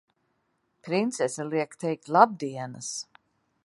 Princese liek teikt labdienas!